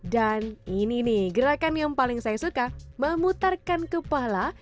dan ini nih gerakan yang paling saya suka memutarkan kepala